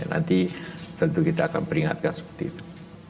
nanti tentu kita akan peringatkan seperti itu